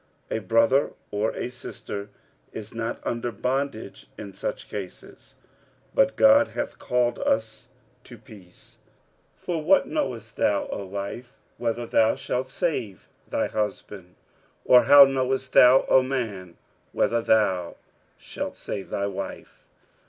A brother or a sister is not under bondage in such cases: but God hath called us to peace. 46:007:016 For what knowest thou, O wife, whether thou shalt save thy husband? or how knowest thou, O man, whether thou shalt save thy wife?